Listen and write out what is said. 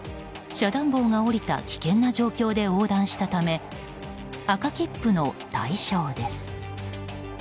遮断棒が下りた危険な状況で横断したため赤切符の対象です。